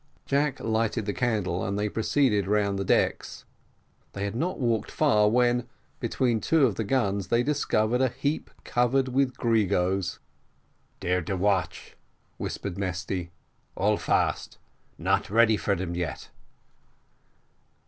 Jack lighted the candle, and they proceeded round the decks: they had not walked far, when, between two of the guns, they discovered a heap covered with gregos. "There de watch," whispered Mesty; "all fast not ready for dem yet."